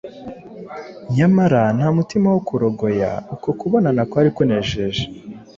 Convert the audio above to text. nyamara nta mutima wo kurogoya uko kubonana kwari kunejeje